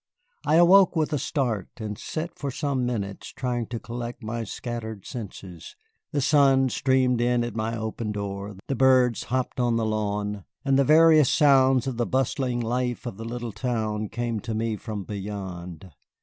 I awoke with a start, and sat for some minutes trying to collect my scattered senses. The sun streamed in at my open door, the birds hopped on the lawn, and the various sounds of the bustling life of the little town came to me from beyond.